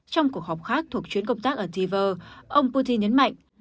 trong cuộc họp khác thuộc chuyến công tác ở tiver ông putin nhấn mạnh